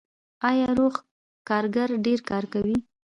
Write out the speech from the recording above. آیا روغ کارګر ډیر کار کوي؟